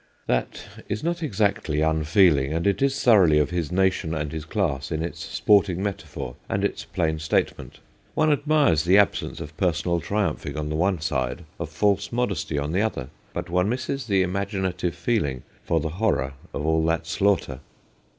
"' That is not exactly unfeeling, and it is thoroughly of his nation and class in its sporting metaphor and its plain statement. One admires the absence of personal triumphing on the one side, of false modesty on the other. But one misses the imaginative feeling for the horror of all that slaughter.